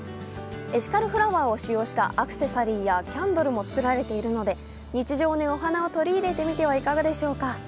エシカルフラワーを使用したアクセサリーやキャンドルも作られているので日常にお花を取り入れてみてはいかがでしょうか。